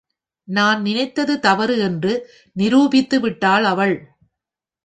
நான் நினைத்தது தவறு என்று நிரூபித்து விட்டாள் அவள்.